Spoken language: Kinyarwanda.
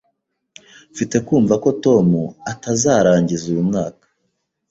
Mfite kumva ko Tom atazarangiza uyu mwaka